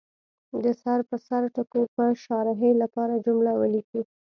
د سر په سر ټکو یا شارحې لپاره جمله ولیکي.